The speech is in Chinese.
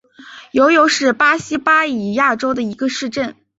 尤尤是巴西巴伊亚州的一个市镇。